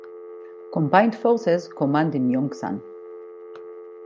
Combined Forces Command in Yongsan.